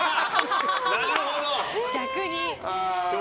なるほど！